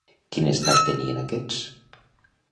Quin estat tenien aquests?